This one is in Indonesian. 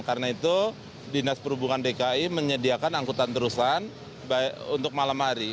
karena itu dinas perhubungan dki menyediakan angkutan terusan untuk malam hari